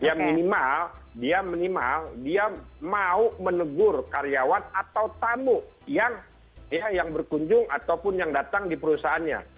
ya minimal dia minimal dia mau menegur karyawan atau tamu yang berkunjung ataupun yang datang di perusahaannya